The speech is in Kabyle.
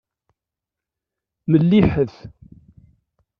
Melliḥet.